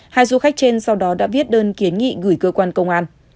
hai du khách trên sau đó đã viết đơn kiến nghị gửi cơ quan công an